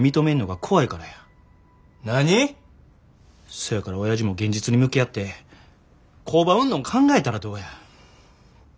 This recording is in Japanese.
そやからおやじも現実に向き合って工場売んの考えたらどうや。